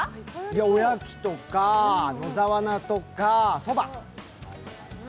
おやきとか野沢菜とかそば。